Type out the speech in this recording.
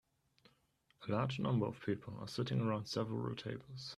A large number of people are sitting around several tables.